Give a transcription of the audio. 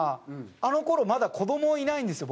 あの頃まだ子どもいないんですよ